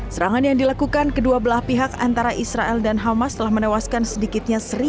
serangan yang dilakukan kedua belah pihak antara israel dan hamas telah menewaskan sedikitnya